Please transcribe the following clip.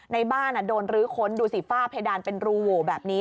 ในบ้านโดนฤ้ค้นดูสีฟ้าเพดานเป็นรูแบบนี้